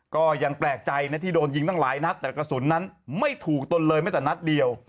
ก็ยังแปลกใจนะที่โดนยิงตั้งหลายนัดแต่กระสุนนั้นไม่ถูกตนเลยไม่แต่นัดเดียว